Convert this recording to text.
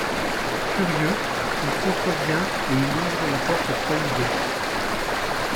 Curieux, il contrevient et il ouvre la porte prohibée.